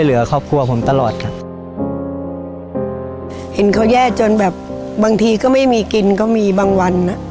เห็นเขาแย่จนแบบบางทีก็ไม่มีกินก็มีบางวัน